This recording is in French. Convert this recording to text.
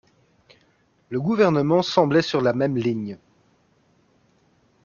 Le Gouvernement semblait sur la même ligne.